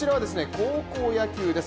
高校野球です